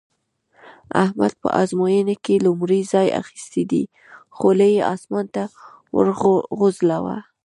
احمد په ازموينه کې لومړی ځای اخيستی دی؛ خولۍ يې اسمان ته وغورځوله.